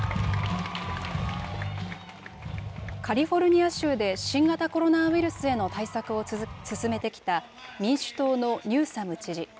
カリフォルニア州で新型コロナウイルスへの対策を進めてきた民主党のニューサム知事。